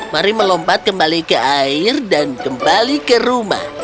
mari melompat kembali ke air dan kembali ke rumah